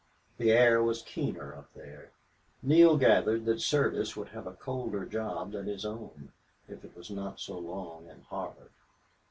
The air was keener up there. Neale gathered that Service would have a colder job than his own, if it was not so long and hard.